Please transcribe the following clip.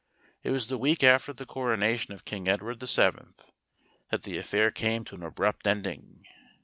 It was the week after the coronation of King Ed¬ ward VII. that the affair came to an abrupt ending.